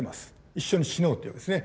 一緒に死のうというわけですね。